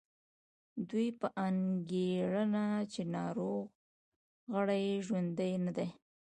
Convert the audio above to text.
دوی به انګېرله چې ناروغ غړي یې ژوندي نه دي.